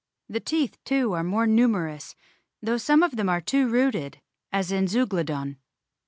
The teeth too are more numerous, though some of them are two rooted as in Zeuglodon.